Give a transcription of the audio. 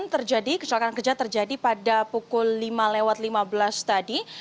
terjadi kecelakaan kerja terjadi pada pukul lima lewat lima belas tadi